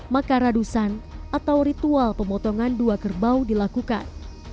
maka radusan atau ritual pemotongan dua kerbau dilakukan